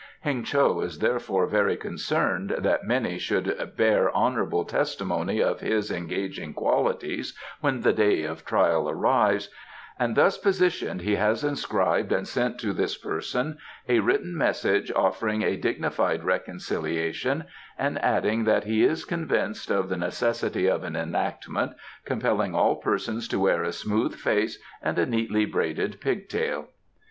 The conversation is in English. Heng cho is therefore very concerned that many should bear honourable testimony of his engaging qualities when the day of trial arrives, and thus positioned he has inscribed and sent to this person a written message offering a dignified reconciliation and adding that he is convinced of the necessity of an enactment compelling all persons to wear a smooth face and a neatly braided pig tail."